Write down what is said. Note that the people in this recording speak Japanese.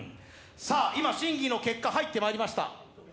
今、審議の結果入ってまいりました。